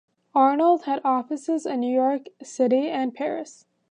Arnold had offices in New York City and Paris.